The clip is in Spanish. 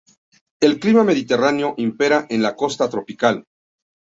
El clima mediterráneo impera en la Costa Tropical.